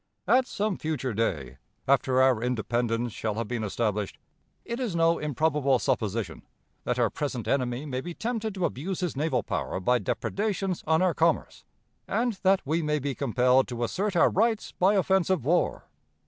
"At some future day, after our independence shall have been established, it is no improbable supposition that our present enemy may be tempted to abuse his naval power by depredations on our commerce, and that we may be compelled to assert our rights by offensive war.